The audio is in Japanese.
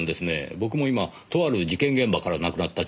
僕も今とある事件現場からなくなった彫刻を探してるんですよ。